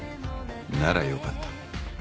ならよかった。